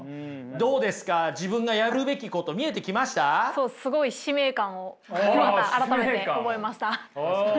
そうすごい使命感をまた改めて覚えました。